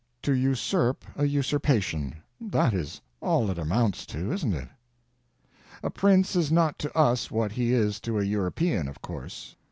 To usurp a usurpation—that is all it amounts to, isn't it? A prince is not to us what he is to a European, of course.